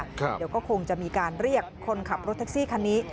เดี๋ยวก็คงจะมีการเรียกคนขับรถแท็กซี่คันนี้